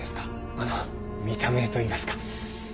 あの見た目といいますか。